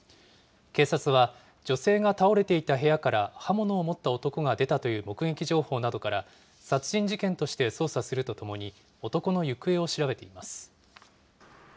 警察は、女性が倒れていた部屋から刃物を持った男が出たという目撃情報などから、殺人事件として捜査するとともに、男の行方を調べています。